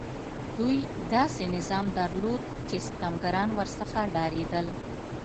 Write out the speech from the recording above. دوی داسې نظام درلود چې ستمګران ورڅخه ډارېدل.